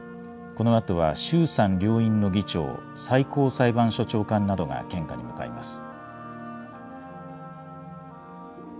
このあとは衆参両院の議長、最高裁判所長官などが献花に向かいます。